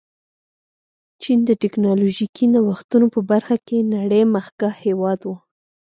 چین د ټکنالوژيکي نوښتونو په برخه کې نړۍ مخکښ هېواد و.